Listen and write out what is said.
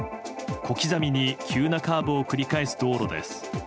小刻みに急なカーブを繰り返す道路です。